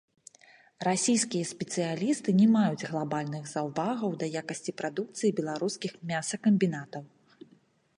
Расійскія спецыялісты не маюць глабальных заўвагаў да якасці прадукцыі беларускіх мясакамбінатаў.